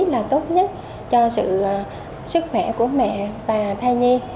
là tốt nhất cho sự sức khỏe của mẹ và thai nhi